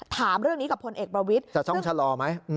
ถามเรื่องนี้กับพลเอกประวิทย์จะต้องชะลอไหม